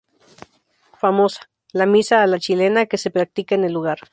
Famosa, la Misa a la Chilena que se practica en el lugar.